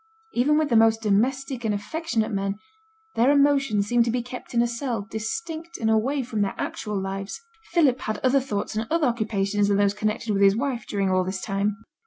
Even with the most domestic and affectionate men, their emotions seem to be kept in a cell distinct and away from their actual lives. Philip had other thoughts and other occupations than those connected with his wife during all this time.